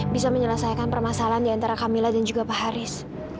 bisa menyelesaikan permasalahan diantara kamila dan juga pak haris